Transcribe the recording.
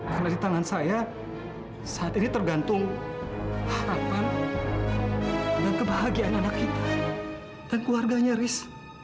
karena di tangan saya saat ini tergantung harapan dan kebahagiaan anak kita dan keluarganya riz